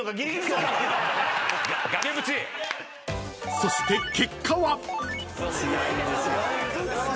［そして結果は］